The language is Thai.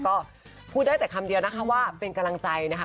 ก็พูดได้แต่คำเดียวนะคะว่าเป็นกำลังใจนะคะ